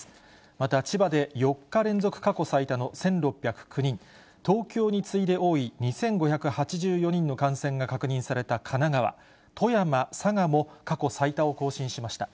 また千葉で４日連続過去最多の１６０９人、東京に次いで多い２５８４人の感染が確認された神奈川、富山、佐賀も過去最多を更新しました。